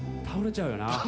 倒れちゃうよな。